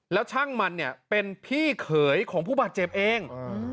แล้วช่างมันเนี่ยเป็นพี่เขยของผู้บาดเจ็บเอง